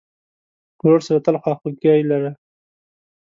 ورور سره تل خواخوږی لرې.